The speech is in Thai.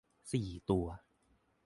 สี่ตัว